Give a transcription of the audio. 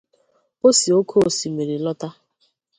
Ọ si oke òsìmìrì lọta